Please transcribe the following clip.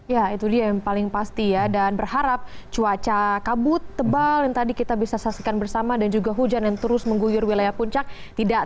ya itu dia yang paling pasti ya dan berharap cuaca kabut tebal yang tadi kita bisa saksikan bersama dan juga hujan yang terus mengguyur wilayah puncak